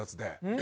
え？